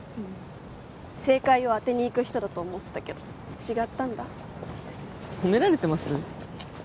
正解を当てにいく人だと思ってたけど違ったんだ褒められてます？